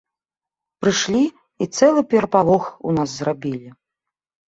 Прышлі і цэлы перапалох у нас зрабілі.